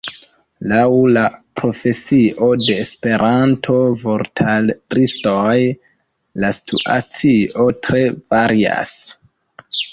Laŭ la profesio de Esperanto-vortaristoj la situacio tre varias.